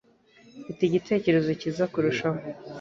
Mfite igitekerezo cyiza kurushaho